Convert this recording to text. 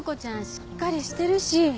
しっかりしてるし。